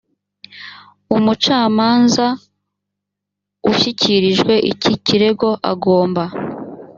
umucamanza ushyikirijwe iki kirego agomba